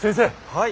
はい。